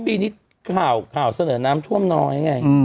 ปีนี้ข่าวเสนอน้ำท่วมน้อยไง